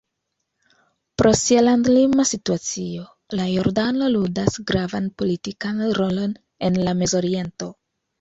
Pro sia landlima situacio, la Jordano ludas gravan politikan rolon en la Mezoriento.